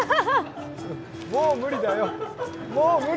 もう無理だよ！